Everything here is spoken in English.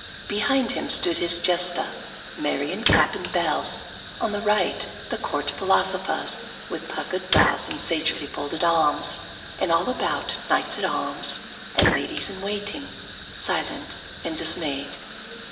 Behind him stood his Jester, merry in cap and bells; on the right, the court philosophers, with puckered brows and sagely folded arms; and all about knights at arms and ladies in waiting silent and dismayed.